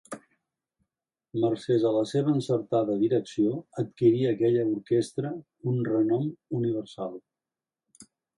Mercès a la seva encertada direcció adquirí aquella orquestra un renom universal.